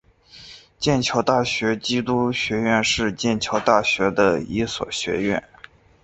剑桥大学基督学院是剑桥大学的一所学院。